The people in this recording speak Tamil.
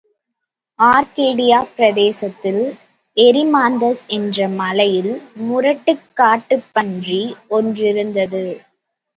ஆர்க்கேடியாப் பிரதேசத்தில் எரிமாந்தஸ் என்ற மலையில் முரட்டுக் காட்டுப் பன்றி ஒன்றிருந்தது.